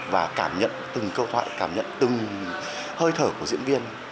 và cảm nhận từng câu thoại cảm nhận từng hơi thở của diễn viên